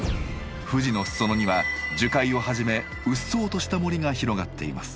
富士の裾野には樹海をはじめうっそうとした森が広がっています。